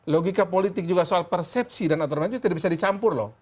logika politik juga soal persepsi dan aturan main partai itu tidak bisa dicampur loh